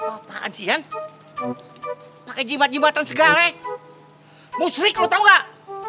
lo apa apaan sih han pakai jimat jimatan segala musrik lo tau gak